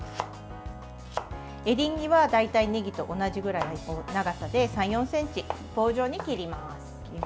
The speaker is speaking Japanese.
エリンギは大体ねぎと同じくらいの長さで３４ｃｍ、棒状に切ります。